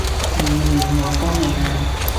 你練好歌未呀？